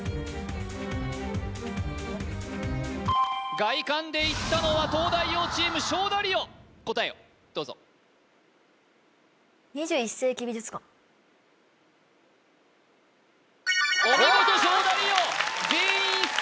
外観でいったのは東大王チーム勝田りお答えをどうぞお見事勝田り